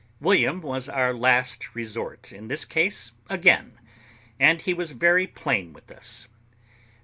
William was our last resort in this case again, and he was very plain with us.